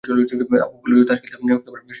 অপু বলিল, তাস খেলতে খেলতে সেই গল্পটা বলে না।